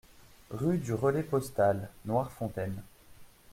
Rue du Relais Postal, Noirefontaine